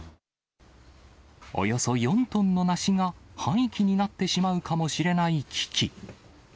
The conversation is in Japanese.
およそ４トンの梨が廃棄になってしまうかもしれない危機。